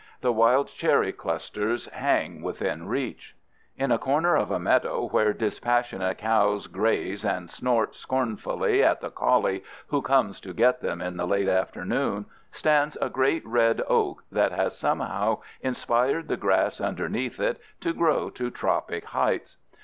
The wild cherry clusters hang within reach. In the corner of a meadow where dispassionate cows graze and snort scornfully at the collie who comes to get them in the late afternoon stands a great red oak that has somehow inspired the grass underneath it to grow to tropic heights.